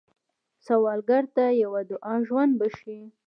سوالګر ته یوه دعا ژوند بښي